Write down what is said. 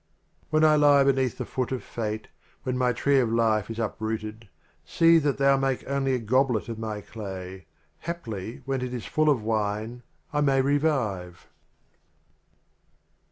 LXXXIX. When I lie beneath the Foot of Fate, — When my Tree of Life is uprooted, See that thou make only a Goblet of my Clay — Haply, when it is full of Wine, I may revive.